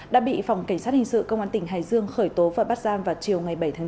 đã bị phòng cảnh sát hình sự công an tỉnh hải dương khởi tố và bắt giam vào chiều ngày bảy tháng chín